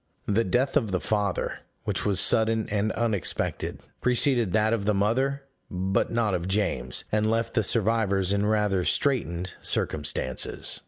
The death of the father, which was sudden and unexpected, preceded that of the mother, but not of James, and left the survivors in rather straitened circumstances.